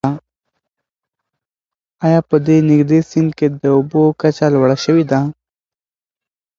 آیا په دې نږدې سیند کې د اوبو کچه لوړه شوې ده؟